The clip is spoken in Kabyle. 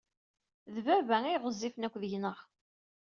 D baba ay ɣezzifen akk deg-neɣ.